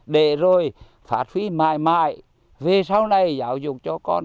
để rồi phát huy mãi mãi về sau này giáo dục cho con